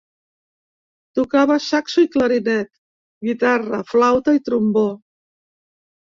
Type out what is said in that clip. Tocava saxo i clarinet, guitarra, flauta i trombó.